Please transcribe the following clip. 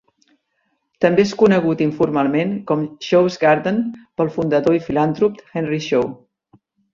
També és conegut informalment com Shaw's Garden pel fundador i filantrop Henry Shaw.